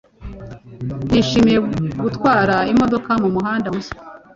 Nishimiye gutwara imodoka mumuhanda mushya.